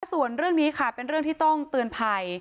ส่วนเรื่องนี้ค่ะเป็นเรื่องที่ต้องเตือนภัย